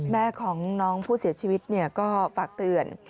แม่ของน้องผู้เสียชีวิตก็ฝากเตือน